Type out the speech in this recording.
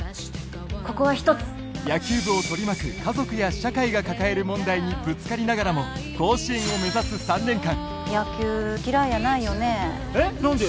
ここは一つ野球部を取り巻く家族や社会が抱える問題にぶつかりながらも甲子園を目指す３年間野球嫌いやないよねえっ何で？